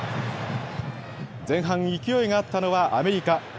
前半勢いがあったのはアメリカ。